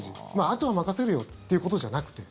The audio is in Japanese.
あとは任せるよっていうことじゃなくて。